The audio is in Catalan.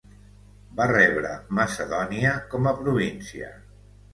Va rebre Macedònia com a província.